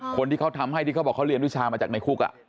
คนที่เขาทำให้ที่เขาบอกเขาเรียนวิชามาจากในคุก